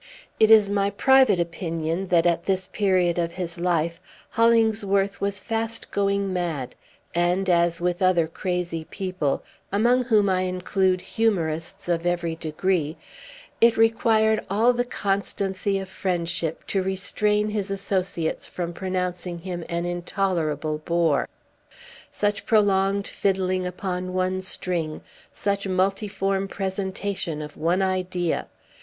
It is my private opinion that, at this period of his life, Hollingsworth was fast going mad; and, as with other crazy people (among whom I include humorists of every degree), it required all the constancy of friendship to restrain his associates from pronouncing him an intolerable bore. Such prolonged fiddling upon one string such multiform presentation of one idea!